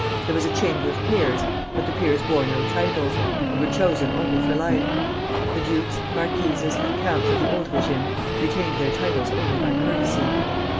There was a chamber of peers, but the peers bore no titles, and were chosen only for life. The dukes, marquises, and counts of the old régime retained their titles only by courtesy.